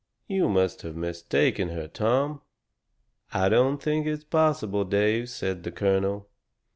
"You must have mistaken her, Tom." "I don't think it's possible, Dave," said the colonel.